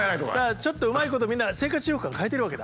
ちょっとうまいことみんなが生活習慣変えてるわけだ。